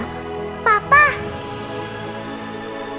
makasih ya pak sama sama